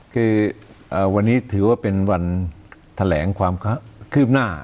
คือวันนี้ถือว่าเป็นวันแถลงความคืบหน้า